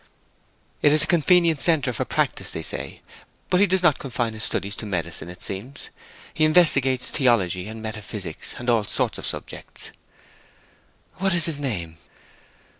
"It is a convenient centre for a practice, they say. But he does not confine his studies to medicine, it seems. He investigates theology and metaphysics and all sorts of subjects." "What is his name?"